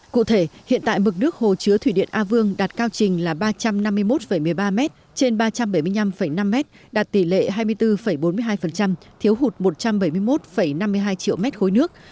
cụ thể hiện tại mực nước hồ chứa thủy điện a vương đạt cao trình là ba trăm năm mươi một một mươi ba m trên ba trăm bảy mươi năm năm m đạt tỷ lệ hai mươi bốn bốn mươi hai thiếu hụt một trăm bảy mươi một năm mươi hai triệu mét khối nước